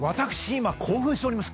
今興奮しております！